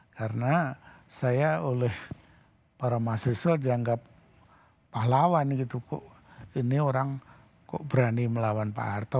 karena saya oleh para mahasiswa dianggap pahlawan gitu kok ini orang kok berani melawan pak harto